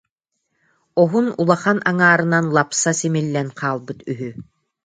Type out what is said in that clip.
оһун улахан аҥаарынан лапса симиллэн хаалбыт үһү